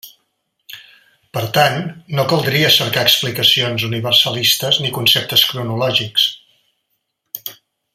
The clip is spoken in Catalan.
Per tant, no caldria cercar explicacions universalistes ni conceptes cronològics.